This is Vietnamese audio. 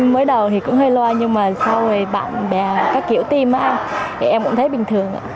mới đầu thì cũng hơi loa nhưng mà sau này bạn bè các kiểu tim thì em cũng thấy bình thường